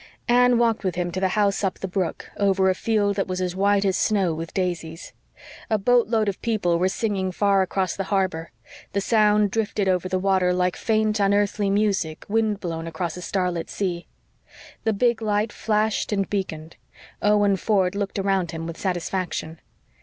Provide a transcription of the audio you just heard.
Anne walked with him to the house up the brook, over a field that was as white as snow with daisies. A boat load of people were singing far across the harbor. The sound drifted over the water like faint, unearthly music wind blown across a starlit sea. The big light flashed and beaconed. Owen Ford looked around him with satisfaction.